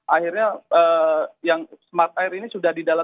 akhirnya yang smart air ini sudah di dalam